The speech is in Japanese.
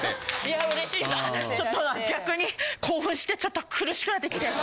あちょっと逆に興奮してちょっと苦しくなってきて。